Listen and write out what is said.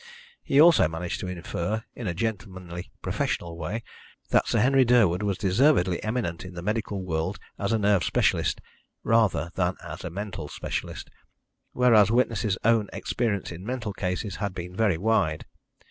He also managed to infer, in a gentlemanly professional way, that Sir Henry Durwood was deservedly eminent in the medical world as a nerve specialist, rather than as a mental specialist, whereas witness's own experience in mental cases had been very wide.